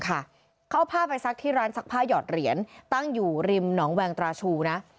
เขาผ้าไปซักที่ร้านซักผ้าหยอดเหรียญตั้งอยู่ริมหนองแวงตราชูนะ